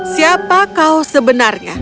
siapa kau sebenarnya